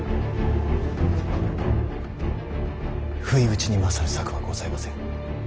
不意打ちに勝る策はございません。